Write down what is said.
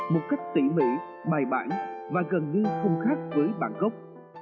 một cách tỉ mỉ bài bản và gần như không khác với bang gốc